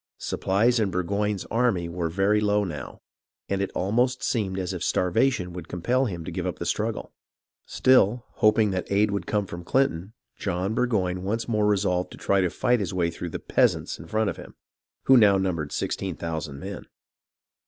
Supplies in Burgoyne's army were very low now, and it almost seemed as if starvation would compel him to give up the struggle. Still, hoping that aid would come from Clinton, John Burgoyne once more resolved to try to fight his way through the "peasants" in front of him, who now numbered sixteen thousand men.